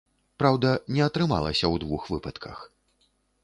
Праўда, не атрымалася ў двух выпадках.